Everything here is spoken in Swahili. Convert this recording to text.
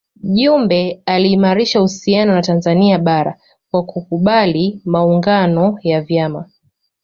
Jumbe aliimarisha uhusiano na Tanzania bara kwa kukubali maungano ya vyama